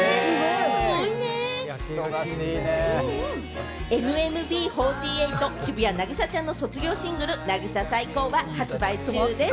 すごいね、ＮＭＢ４８・渋谷凪咲ちゃんの卒業シングル『渚サイコー！』は発売中です。